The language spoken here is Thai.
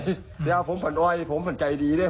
ซักอย่างผมฝันปล่อยผมฝันใจดีเลย